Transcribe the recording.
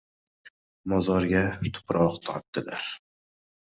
Mozorga tuproq tortdilar.